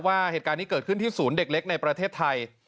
ว่าเหตุการณ์นี้เกิดขึ้นที่ศูนย์เด็กเล็กในประเทศไทย